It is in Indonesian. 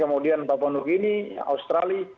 kemudian papua new guinea australia